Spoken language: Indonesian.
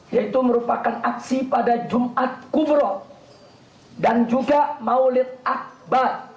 yaitu merupakan aksi pada jumat kubro dan juga maulid akbar